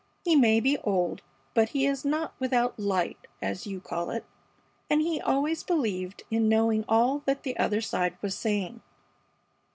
He may be old, but he is not without 'light,' as you call it, and he always believed in knowing all that the other side was saying.